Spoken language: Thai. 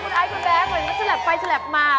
คุณไอคุณแบงค์เหมือนว่าฉลับไปฉลับมา